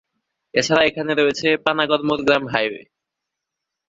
এছাড়া এখানে রয়েছে পানাগড়-মোরগ্রাম হাইওয়ে।